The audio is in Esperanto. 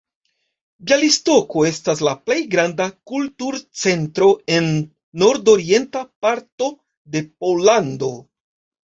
Bjalistoko estas la plej granda kulturcentro en nord-orienta parto de Pollando.